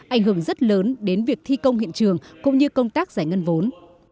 ảnh hưởng rất lớn đến việc thi công hiện trường cũng như công tác giải ngân vốn